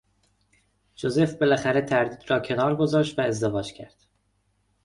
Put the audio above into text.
ژوزف بالاخره تردید را کنار گذاشت و ازدواج کرد.